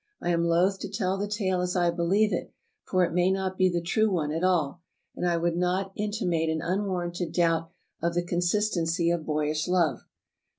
I am loath to tell the tale as I believe it, for it may not be the true one at all, and I would not intimate an unwarranted doubt of the consistency of boyish love.